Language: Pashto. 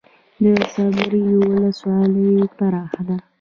د صبریو ولسوالۍ پراخه ده